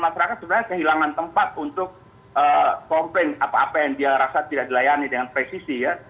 masyarakat sebenarnya kehilangan tempat untuk komplain apa apa yang dia rasa tidak dilayani dengan presisi ya